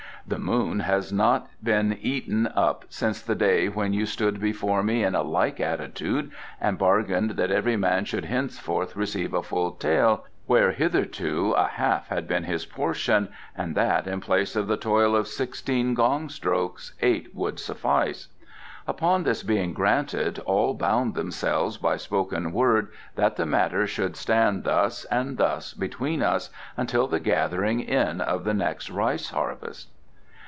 The moon has not been eaten up since the day when you stood before me in a like attitude and bargained that every man should henceforth receive a full tael where hitherto a half had been his portion, and that in place of the toil of sixteen gong strokes eight should suffice. Upon this being granted all bound themselves by spoken word that the matter should stand thus and thus between us until the gathering in of the next rice harvest."